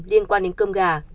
liên quan đến cơm gà